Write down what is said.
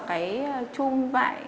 cái chung vải